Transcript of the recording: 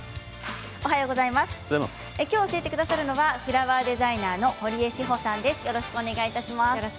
きょう教えてくださるのはフラワーデザイナーの堀江志穂さんです。